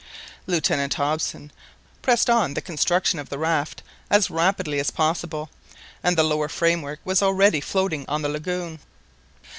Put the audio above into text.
Lieutenant Hobson pressed on the construction of the raft as rapidly as possible, and the lower framework was already floating on the lagoon.